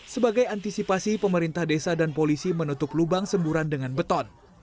sebagai antisipasi pemerintah desa dan polisi menutup lubang semburan dengan beton